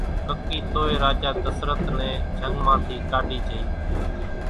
ڪڪِي توئي راجا ڌسرت نين جنگ مان ٿي ڪاڍي جھئي۔